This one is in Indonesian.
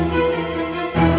ini pasti ruangannya dokter